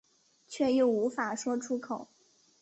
却又无法说出口